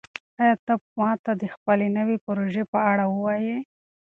آیا ته به ماته د خپلې نوې پروژې په اړه ووایې؟